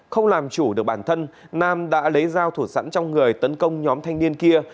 không làm chủ được bản thân nam đã lấy dao thủ sẵn trong người tấn công nhóm thanh niên kia